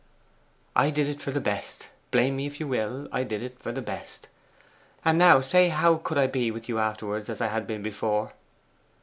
'I did it for the best; blame me if you will; I did it for the best. And now say how could I be with you afterwards as I had been before?